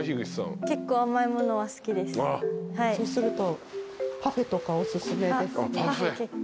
そうすると。